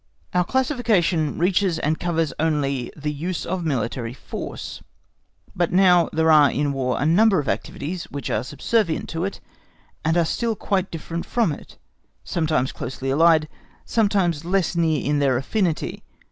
Our classification reaches and covers only the use of the military force. But now there are in War a number of activities which are subservient to it, and still are quite different from it; sometimes closely allied, sometimes less near in their affinity.